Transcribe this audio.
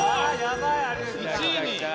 １位に。